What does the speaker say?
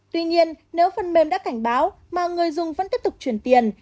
tuy nhiên nếu phân mêm đã cảnh báo mà người dùng vẫn tiếp tục truyền tiền